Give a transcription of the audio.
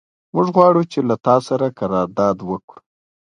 موږ غواړو چې له تا سره قرارداد وکړو.